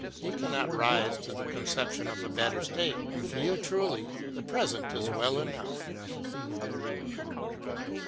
Ye cannot rise to the conception of a better state, and for you truly the present is well enough.